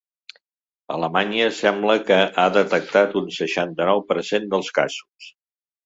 Alemanya sembla que ha detectat un seixanta-nou per cent dels casos.